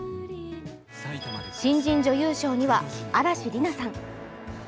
新人女優賞には嵐莉菜さん。